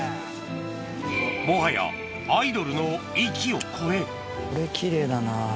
もはやアイドルの域を超えこれ奇麗だな。